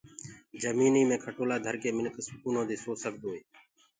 جمينيٚ مي کٽولآ ڌرڪي منک سڪونو دي سو سگدوئي